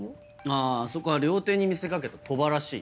あそこは料亭に見せ掛けた賭場らしい。